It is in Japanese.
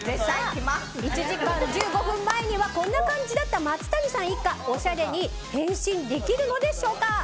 １時間１５分前はこんな感じだった松谷さん一家おしゃれに変身できるのでしょうか。